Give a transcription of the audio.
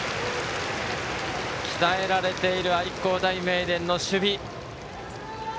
鍛えられている愛工大名電の守備。